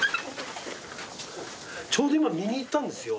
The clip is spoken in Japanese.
ちょうど今右行ったんですよ。